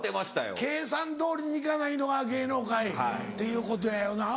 計算通りにいかないのが芸能界っていうことやよな。